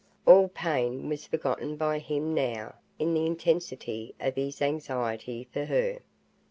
All pain was forgotten by him now in the intensity of his anxiety for her.